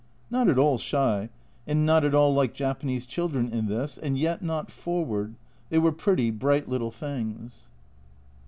Not at all shy, and not at all like Japanese children in this, and yet not forward, they were pretty, bright little things.